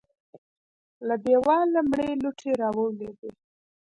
له دېواله مړې لوټې راولوېدې.